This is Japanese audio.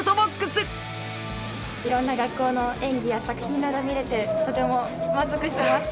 いろんな学校の演技や作品など見れてとても満足してます。